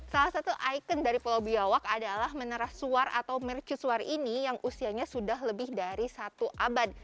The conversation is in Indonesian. salah satu ikon dari pulau biawak adalah menara suar atau mercusuar ini yang usianya sudah lebih dari satu abad